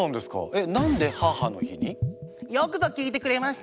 えっよくぞ聞いてくれました！